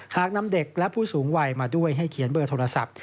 หากนำเด็กและผู้สูงวัยมาด้วยให้เขียนเบอร์โทรศัพท์